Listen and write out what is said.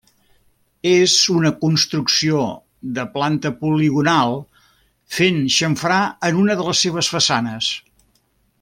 És una construcció de planta poligonal, fent xamfrà en una de les seves façanes.